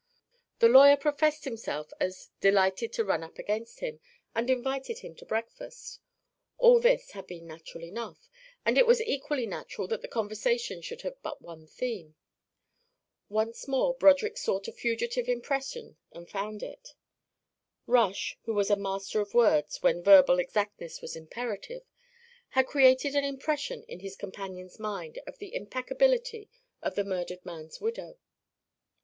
The lawyer professed himself as delighted to "run up against him" and invited him to breakfast. All this had been natural enough, and it was equally natural that the conversation should have but one theme. Once more Broderick sought a fugitive impression and found it. Rush, who was a master of words when verbal exactness was imperative, had created an impression in his companion's mind of the impeccability of the murdered man's widow.